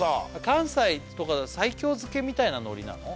関西とかだと西京漬けみたいなノリなの？